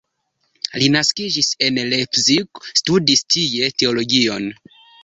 Li naskiĝis en Leipzig, studis tie teologion.